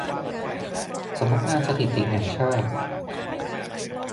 สำนักงานสถิติแห่งชาติ